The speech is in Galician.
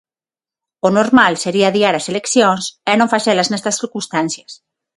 O normal sería adiar as eleccións e non facelas nestas circunstancias.